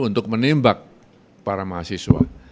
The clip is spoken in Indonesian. untuk menembak para mahasiswa